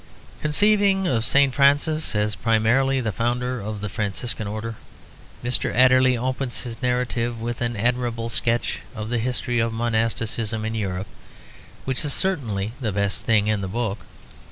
Conceiving of St. Francis as primarily the founder of the Franciscan Order, Mr. Adderley opens his narrative with an admirable sketch of the history of Monasticism in Europe, which is certainly the best thing in the book.